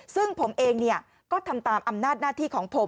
ซึ่งผมเองก็ทำตามอำนาจหน้าที่ของผม